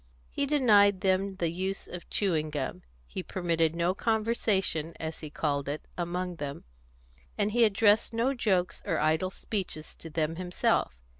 He denied them the use of chewing gum; he permitted no conversation, as he called it, among them; and he addressed no jokes or idle speeches to them himself.